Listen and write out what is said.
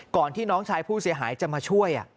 ที่น้องชายผู้เสียหายจะมาช่วย